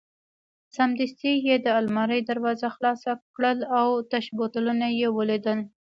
سمدستي یې د المارۍ دروازه خلاصه کړل او تش بوتلونه یې ولیدل.